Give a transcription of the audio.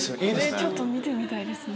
ちょっと見てみたいですね。